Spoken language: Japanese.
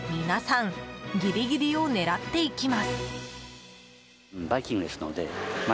皆さんギリギリを狙っていきます。